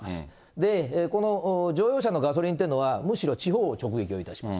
で、この乗用車のガソリンというのは、むしろ地方を直撃いたします。